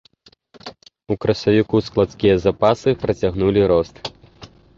У красавіку складскія запасы працягнулі рост.